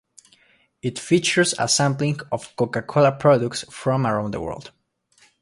It features a sampling of Coca-Cola products from around the world.